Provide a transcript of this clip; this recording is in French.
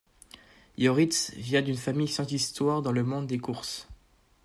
Ioritz vient d'une famille sans histoire dans le monde des courses.